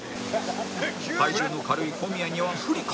体重の軽い小宮には不利か？